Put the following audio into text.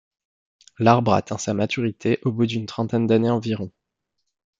L’arbre atteint sa maturité au bout d’une trentaine d’années environ.